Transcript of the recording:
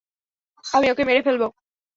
আমি ওকে মেরে ফেলবো!